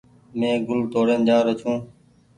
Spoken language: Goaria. مين گل توڙين جآ رو ڇي۔